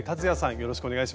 よろしくお願いします。